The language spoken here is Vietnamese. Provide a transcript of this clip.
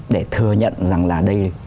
để thừa nhận rằng là đây